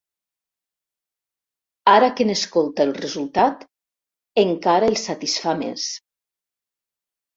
Ara que n'escolta el resultat encara el satisfà més.